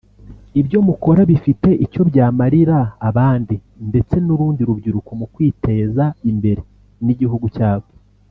Ibyo mukora bifite icyo byamarira abandi ndetse n’urundi rubyiruko mu kwiteza imbere n’igihugu cyabo